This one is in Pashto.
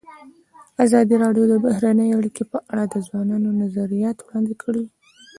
ازادي راډیو د بهرنۍ اړیکې په اړه د ځوانانو نظریات وړاندې کړي.